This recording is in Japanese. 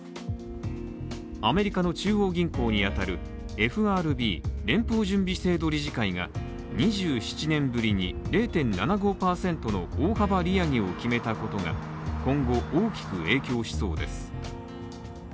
アメリカの中央銀行に当たるＦＲＢ＝連邦準備制度理事会が２７年ぶりに０．７５％の大幅利上げを決めたことが、今後、大きく影響しそうです。